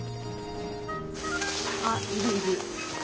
あっいるいる！